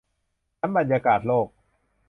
ชั้นบรรยากาศโลก